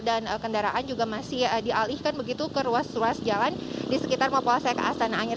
dan kendaraan juga masih dialihkan begitu ke ruas ruas jalan di sekitar mapolsek astana anyar